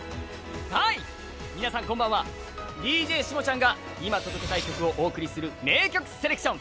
皆さん、こんばんは、ＤＪシモちゃんが今届けたい曲をお送りする「名曲セレクション！」。